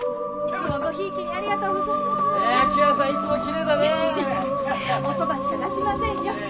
おそばしか出しませんよ。